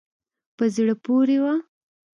په زړه پورې وه.